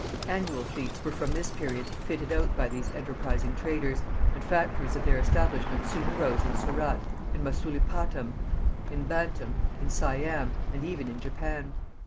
Annual fleets were from this period fitted out by these enterprising traders, and factories of their establishment soon arose in Surat, in Masulipatam, in Bantam, in Siam, and even in Japan.